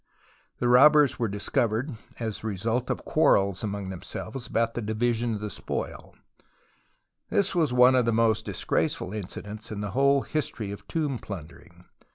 The robbers were dis covered as the result of (piarrels among them selves about the division of the spoil. This THE VALLEY OF THE TOMBS 77 was one of tlie most disgraceful incidents in the whole history of tomb phindering.